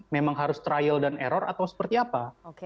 memang harus trial dan error atau seperti apa